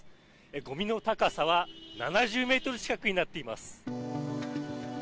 ゴミの高さは７０ｍ近くになっています。